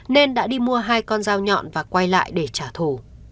nên đã đi mua hai con dao nhọn và quay lại để trả thù